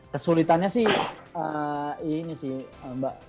kesulitannya sih ini sih mbak